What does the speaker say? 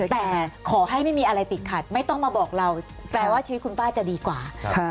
แต่ขอให้ไม่มีอะไรติดขัดไม่ต้องมาบอกเราแปลว่าชีวิตคุณป้าจะดีกว่า